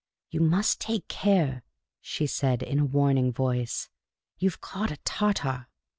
" You must take care," she said, in a warning voice. " You 've caught a Tartar."